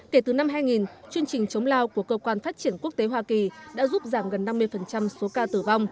kể từ năm hai nghìn chương trình chống lao của cơ quan phát triển quốc tế hoa kỳ đã giúp giảm gần năm mươi số ca tử vong